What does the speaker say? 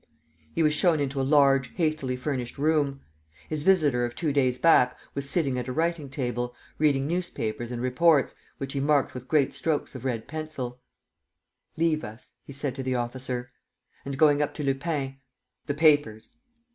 He was shown into a large, hastily furnished room. His visitor of two days back was sitting at a writing table, reading newspapers and reports, which he marked with great strokes of red pencil: "Leave us," he said to the officer. And, going up to Lupin: "The papers."